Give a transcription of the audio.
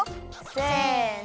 せの。